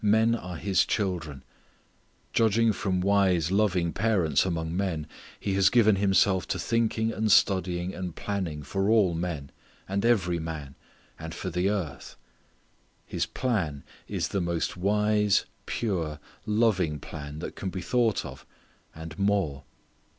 Men are His children. Judging from wise loving parents among men He has given Himself to thinking and studying and planning for all men, and every man, and for the earth. His plan is the most wise, pure, loving plan that can be thought of, _and more.